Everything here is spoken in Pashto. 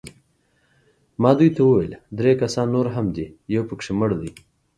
ما دوی ته وویل: درې کسان نور هم دي، یو پکښې مړ دی.